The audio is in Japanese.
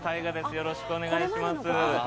よろしくお願いします。